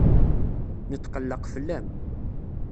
Netqelleq fell-am.